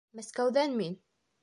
Мәскәүҙән мин